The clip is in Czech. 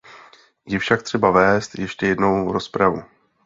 Je však třeba vést ještě jednou rozpravu.